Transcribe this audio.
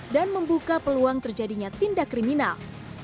dan membuka peluang terjadinya tindak kriminal